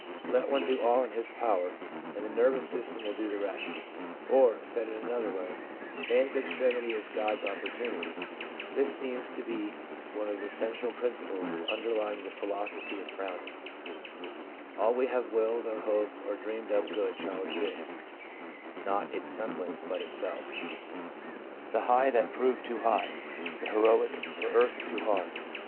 Let one do all in his power, and the nervous system will do the rest ; or, said in another way, 1 man's extremity is God's opportunity/ This seems to be one of the central principles underlying the philo sophy of Browning :— 4 All we have willed, or hoped, or dreamed of good shall exist ; Not its semblance, but itself. .. J * The high that proved too high, the heroic for earth too hard.